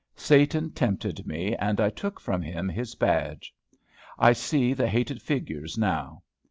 Satan tempted me, and I took from him his badge, 213. I see the hated figures now.